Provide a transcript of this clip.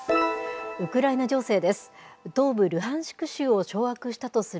ウクライナ情勢です。